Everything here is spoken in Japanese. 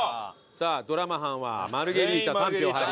さあドラマ班はマルゲリータ３票入りました。